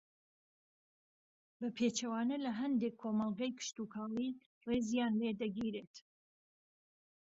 بە پێچەوانە لە ھەندێک کۆمەڵگەی کشتوکاڵی ڕێزیان لێدەگیرێت